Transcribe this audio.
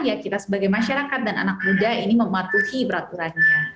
ya kita sebagai masyarakat dan anak muda ini mematuhi peraturannya